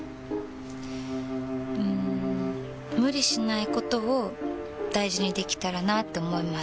うん無理しないことを大事にできたらなって思います。